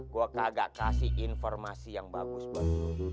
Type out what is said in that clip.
gue kagak kasih informasi yang bagus buat